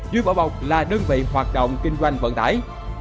dưới bỏ bọc là đơn vị hoạt động kinh doanh vận tải